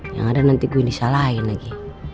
yang ada nanti gue yang disalahin lagi